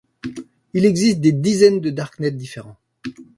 Il existe des dizaines de darknets différents.